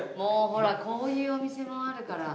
ほらこういうお店もあるから。